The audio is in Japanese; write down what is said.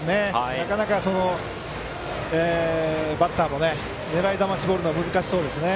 なかなかバッターも狙い球を絞るのが難しそうですね。